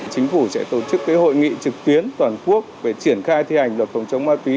chính phủ sẽ tổ chức hội nghị trực tuyến toàn quốc về triển khai thi hành luật phòng chống ma túy